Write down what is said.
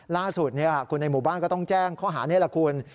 ล่าสุดคนในหมู่บ้านก็ต้องแจ้งข้อหานี่แหละคุณ